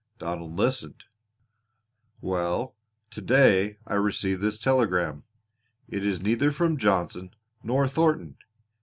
Donald listened. "Well, to day I received this telegram. It is neither from Johnson nor Thornton.